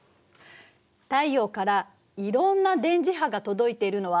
太陽からいろんな電磁波が届いているのは知っているわよね。